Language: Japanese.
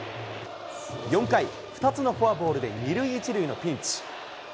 ４回、２つのフォアボールで２塁１塁のピンチ。